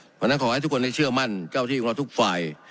เพราะฉะนั้นขอให้ทุกคนได้เชื่อมั่นเจ้าที่ของเราทุกฝ่าย